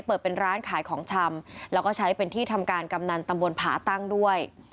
เปิดเป็นร้านขายของชำแล้วก็ใช้เป็นที่ทำการกำนันตำบลผาตั้งด้วย